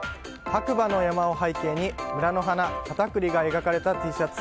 白馬の山を背景に、村の花カタクリが描かれたＴシャツ。